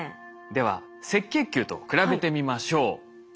では赤血球と比べてみましょう。